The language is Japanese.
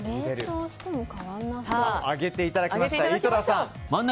上げていただきました井戸田さん。